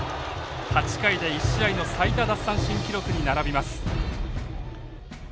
８回で１試合の最多奪三振記録に並びます。